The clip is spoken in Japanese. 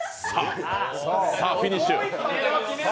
さあ、フィニッシュ。